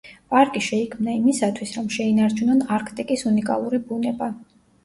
პარკი შეიქმნა იმისათვის, რომ შეინარჩუნონ არქტიკის უნიკალური ბუნება.